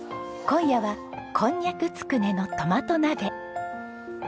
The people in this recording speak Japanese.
今夜はこんにゃくつくねのトマト鍋。